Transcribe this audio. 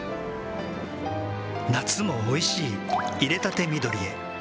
夏もおいしい入れたて緑へ。